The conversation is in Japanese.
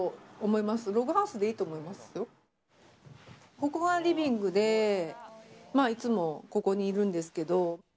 ここはリビングでいつも、ここにいるんですけど。